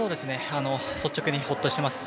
率直にほっとしています。